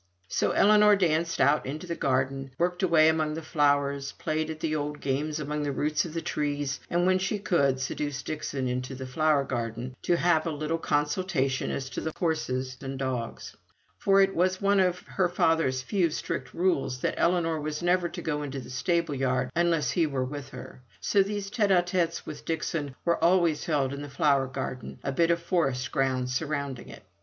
So Ellinor danced out into the garden, worked away among her flowers, played at the old games among the roots of the trees, and, when she could, seduced Dixon into the flower garden to have a little consultation as to the horses and dogs. For it was one of her father's few strict rules that Ellinor was never to go into the stable yard unless he were with her; so these tete a tetes with Dixon were always held in the flower garden, or bit of forest ground surrounding it.